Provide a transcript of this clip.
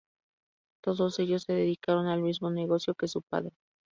Todos ellos se dedicaron al mismo negocio que su padre.